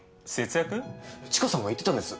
知花さんが言ってたんです。